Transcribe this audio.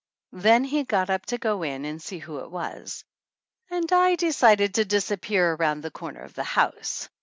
Then he got up to go in and see who it was. And I de cided to disappear around the corner of the house.